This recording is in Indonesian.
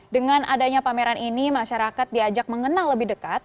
dengan adanya pameran ini masyarakat diajak mengenal lebih dekat